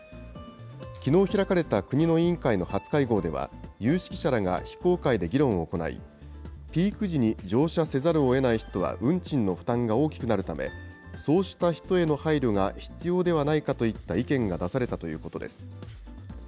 きのう開かれた国の委員会の初会合では、有識者らが非公開で議論を行い、ピーク時に乗車せざるをえない人は運賃の負担が大きくなるため、そうした人への配慮が必要ではないかといった意見が出されたということです。